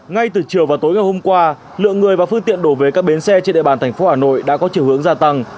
ngay từ chiều và tối ngày hôm qua lượng người và phương tiện đổ về các bến xe trên địa bàn tp hcm đã có chiều hướng gia tăng